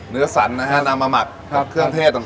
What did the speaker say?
เนื้อสันนะฮะนำมาหมักเครื่องเทศต่าง